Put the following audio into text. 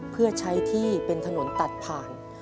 เพื่อใช้ที่เป็นถนนตัดผ่าน